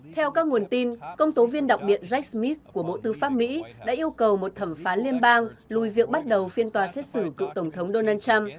theo các nguồn tin công tố viên đặc biệt jack smith của bộ tư pháp mỹ đã yêu cầu một thẩm phán liên bang lùi việc bắt đầu phiên tòa xét xử cựu tổng thống donald trump